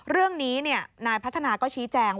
เรื่องนี้นายพัฒนาก็ชี้แจงว่า